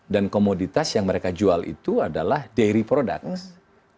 dan komoditas yang mereka jual itu adalah produk sehari